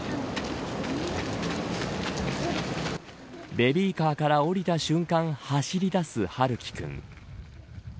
ベビーカーから降りた瞬間走りだす、はるき君。